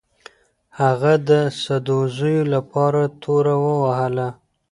هغه د سدوزیو لپاره توره ووهله.